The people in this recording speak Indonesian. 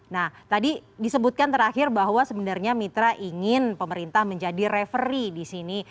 nah tadi disebutkan terakhir bahwa sebenarnya mitra ingin pemerintah menjadi referee di sini